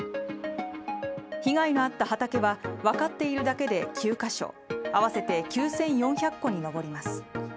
被害のあった畑は、分かっているだけで９カ所、合わせて９４００個に上ります。